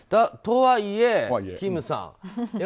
とはいえ、金さん。